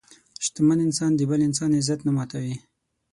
شتمن انسان د بل انسان عزت نه ماتوي.